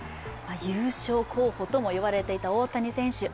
優勝候補とも言われていた大谷選手。